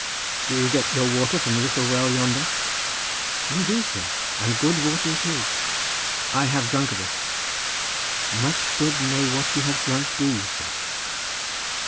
"Do you get your water from the little well yonder?" "We do, sir, and good water it is." "I have drunk of it." "Much good may what you have drunk do you, sir!"